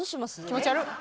気持ち悪っ！